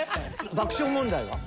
爆笑問題？